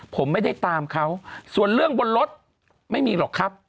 ผมไม่ได้ตามเขาส่วนเรื่องบนรถไม่มีหรอกครับ